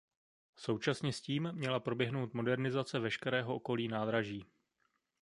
Současně s tím měla proběhnout modernizace veškerého okolí nádraží.